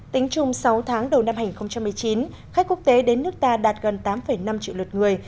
tính chung sáu tháng đầu năm hai nghìn một mươi chín khách quốc tế đến nước ta đạt gần tám năm triệu lượt người